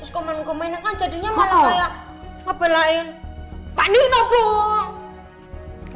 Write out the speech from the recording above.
hai komentar punktu hewan tae jong namanyahurupinya